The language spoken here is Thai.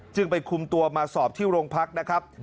จึงไปคุมตัวมาสอบที่โรงพักนะครับ